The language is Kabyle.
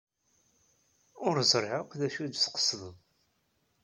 Ur ẓriɣ akk d acu ay d-tqesdeḍ.